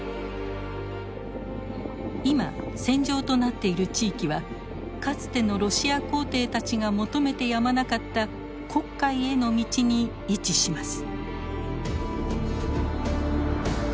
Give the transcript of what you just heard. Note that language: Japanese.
今戦場となっている地域はかつてのロシア皇帝たちが求めてやまなかった黒海への道に位置します。